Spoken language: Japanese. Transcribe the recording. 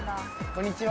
こんにちは。